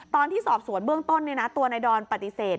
ตอนที่สอบสวนเบื้องต้นตัวนายดอนปฏิเสธ